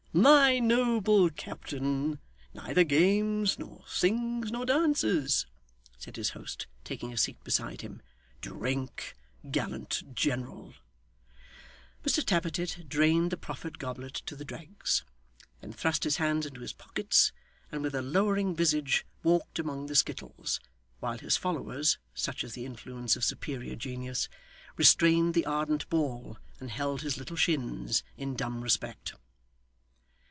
'My noble captain neither games, nor sings, nor dances,' said his host, taking a seat beside him. 'Drink, gallant general!' Mr Tappertit drained the proffered goblet to the dregs; then thrust his hands into his pockets, and with a lowering visage walked among the skittles, while his followers (such is the influence of superior genius) restrained the ardent ball, and held his little shins in dumb respect.